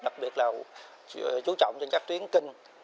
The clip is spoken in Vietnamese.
đặc biệt là chú trọng cho các tuyến kinh